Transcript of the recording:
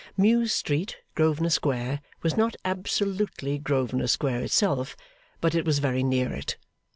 Mews Street, Grosvenor Square, was not absolutely Grosvenor Square itself, but it was very near it.